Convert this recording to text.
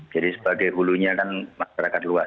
jadi sebagai hulunya kan masyarakat luas